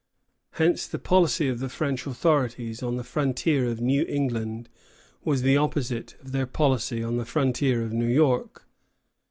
Hence the policy of the French authorities on the frontier of New England was the opposite of their policy on the frontier of New York.